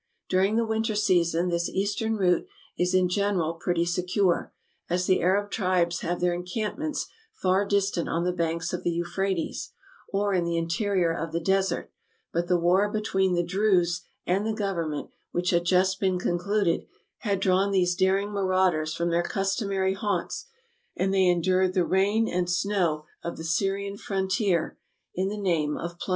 During the winter season this eastern route is in general pretty secure, as the Arab tribes have their encampments far distant on the banks of the Euphrates, or in the interior of the desert; but the war between the Druses and the government, which had just been concluded, had drawn these daring marauders from their customary haunts, and they endured the rain and snow of the Syrian frontier in the hope of plunder.